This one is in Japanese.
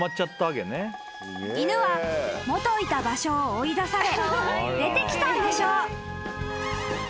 ［犬は元いた場所を追い出され出てきたんでしょう］